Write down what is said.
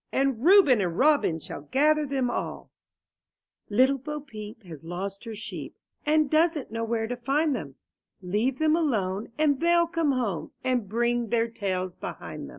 And Reuben and Robin shall gather them all. 19 MY BOOK HOUSE T ITTLE Bo Peep has lost her sheep —'^ And doesn't know where to find them; Leave them alone, and they'll come home, And bring their tails behind them.